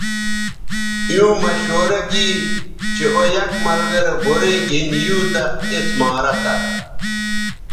ایووں مشورہ گی چہء او یک ملگرے گورئ گِھن یُو تہ اس مارہ تھہ